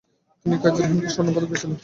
তিনি কাইজার-ই-হিন্দ স্বর্ণপদক পেয়েছিলেন।